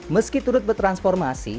meski turut bertransformasi